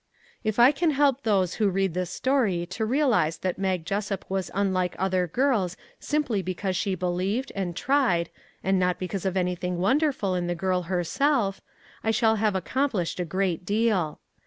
If I can help those who read this story to realize that Mag Jessup was unlike other girls simply be cause she believed, and tried, and not because of anything wonderful in the girl herself, I shall have accomplished a great deal.